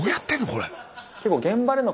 これ。